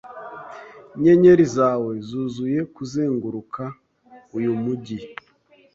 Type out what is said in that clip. inyenyeri zawe zuzuye kuzenguruka uyu mujyi